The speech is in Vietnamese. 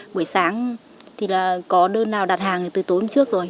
buổi sáng thì có đơn nào đặt hàng từ tối hôm trước rồi